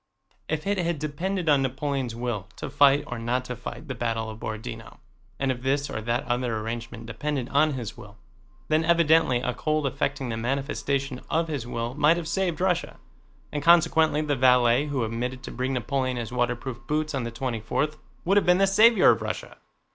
If it had depended on Napoleon's will to fight or not to fight the battle of Borodinó, and if this or that other arrangement depended on his will, then evidently a cold affecting the manifestation of his will might have saved Russia, and consequently the valet who omitted to bring Napoleon his waterproof boots on the twenty fourth would have been the savior of Russia.